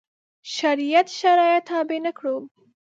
شریعت شرایط تابع نه کړو.